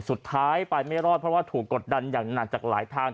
สุดท้ายไปไม่รอดเพราะว่าถูกกดดันอย่างหนักจากหลายทาง